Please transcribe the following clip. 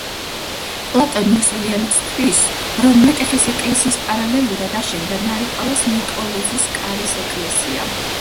პლატონ იოსელიანიც თვლის, რომ მეტეხის ეკლესიის პარალელურად აშენდა ნარიყალას ნიკოლოზის კარის ეკლესია.